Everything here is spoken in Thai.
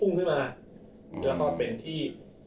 ในเอพิโสตที่๓๐